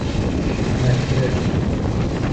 متیلف